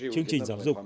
chương trình giáo dục